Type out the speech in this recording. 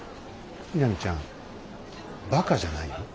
みなみちゃんバカじゃないよ。